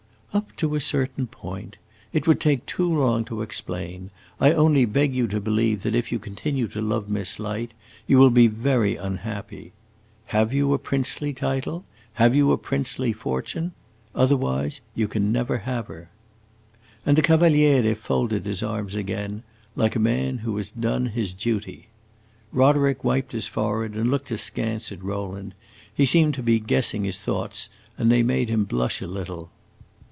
"Up to a certain point. It would take too long to explain; I only beg you to believe that if you continue to love Miss Light you will be very unhappy. Have you a princely title? have you a princely fortune? Otherwise you can never have her." And the Cavaliere folded his arms again, like a man who has done his duty. Roderick wiped his forehead and looked askance at Rowland; he seemed to be guessing his thoughts and they made him blush a little.